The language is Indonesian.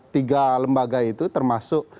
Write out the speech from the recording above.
tiga lembaga itu termasuk